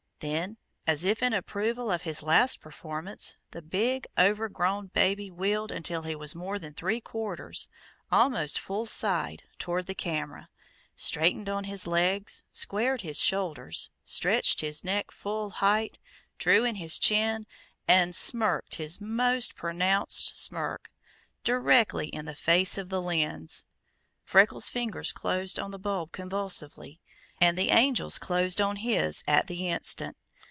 Then, as if in approval of his last performance, the big, overgrown baby wheeled until he was more than three quarters, almost full side, toward the camera, straightened on his legs, squared his shoulders, stretched his neck full height, drew in his chin and smirked his most pronounced smirk, directly in the face of the lens. Freckles' fingers closed on the bulb convulsively, and the Angel's closed on his at the instant.